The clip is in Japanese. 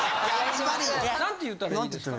何て言ったらいいですか。